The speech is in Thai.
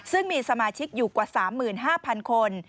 ซึ่งมีสมาชิกอยู่กว่า๓๕๐๐๐คน